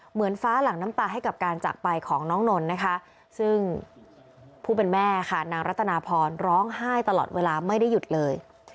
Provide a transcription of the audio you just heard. เหมือนฟ้าหลังน้ำตาให้กับการจากไปของน้องนนท์นะคะซึ่งผู้เป็นแม่ค่ะนางรัตนาพรร้องไห้ตลอดเวลาไม่ได้หยุดเลย